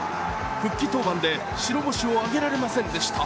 復帰登板で白星を挙げられませんでした。